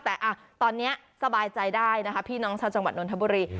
แต่ตอนนี้สบายใจได้นะคะพี่น้องชาวจังหวัดนทบุรี